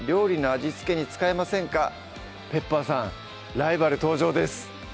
ライバル登場です